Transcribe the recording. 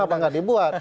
kenapa nggak dibuat